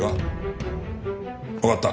わかった。